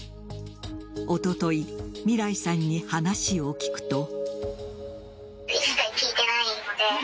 おとといみらいさんに話を聞くと。